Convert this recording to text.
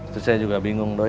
terus saya juga bingung